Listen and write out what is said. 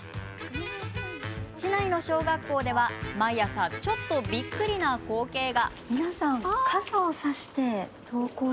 市内の小学校では毎朝ちょっとびっくりな光景が。